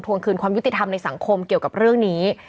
คืนความยุติธรรมในสังคมเกี่ยวกับเรื่องนี้